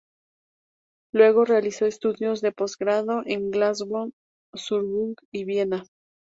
Luego realizó estudios de postgrado en Glasgow, Würzburg, y Viena.